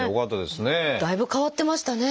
だいぶ変わってましたね。